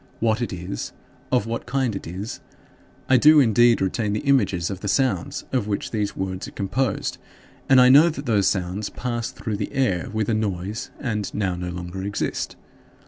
What it is? Of what kind it is?" I do indeed retain the images of the sounds of which these words are composed and I know that those sounds pass through the air with a noise and now no longer exist.